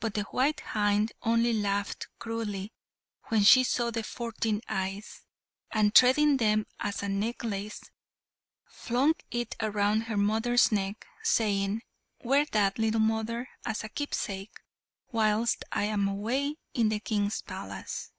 But the white hind only laughed cruelly when she saw the fourteen eyes, and threading them as a necklace, flung it round her mother's neck, saying, "Wear that, little mother, as a keepsake, whilst I am away in the King's palace."